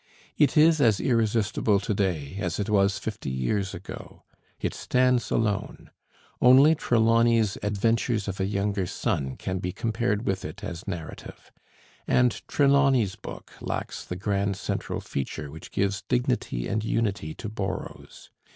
It is as irresistible to day as it was fifty years ago: it stands alone; only Trelawny's 'Adventures of a Younger Son' can be compared with it as narrative, and Trelawny's book lacks the grand central feature which gives dignity and unity to Borrow's.